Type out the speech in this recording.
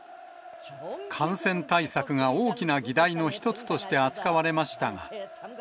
感染対策が大きな議題の一つとして扱われましたが。